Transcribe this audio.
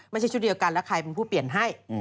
ชุดเดียวกันแล้วใครเป็นผู้เปลี่ยนให้